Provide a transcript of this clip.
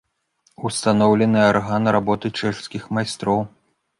Устаноўлены арган работы чэшскіх майстроў.